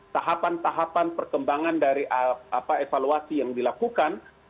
tahapan tahapan perkembangan dari evaluasi yang dilakukan